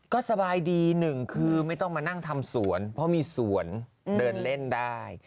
ก็สบายดีหนึ่งคือไม่ต้องมานั่งทำสวนเพราะมีสวนเดินเล่นได้